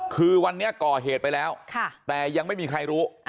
คือวันนี้ก่อเหตุไปแล้วแต่ยังไม่มีใครรู้